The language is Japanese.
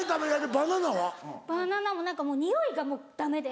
バナナも何かもう匂いがもうダメで。